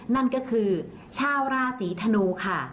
นั่นก็คือชาวราศีธนูค่ะ